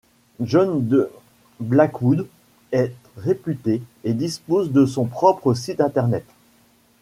John de Blackwood est réputée, et dispose de son propre site Internet.